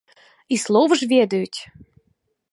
І словы ж ведаюць!